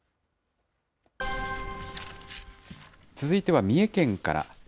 続いては三重県から。